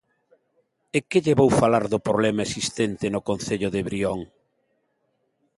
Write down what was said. ¿E que lle vou falar do problema existente no concello de Brión?